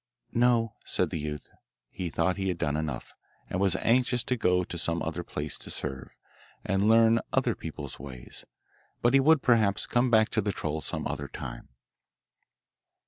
'No,' said the youth; he thought he had done enough, and was anxious to go to some other place to serve, and learn other people's ways; but he would, perhaps, come back to the troll some other time.